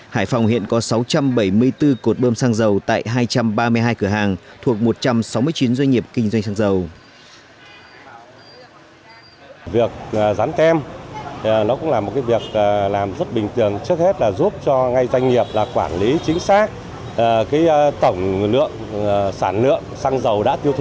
hải phòng hiện có sáu trăm bảy mươi bốn cột bâm xăng dầu tại hai trăm ba mươi hai cửa hàng thuộc một trăm sáu mươi chín doanh nghiệp kinh doanh xăng dầu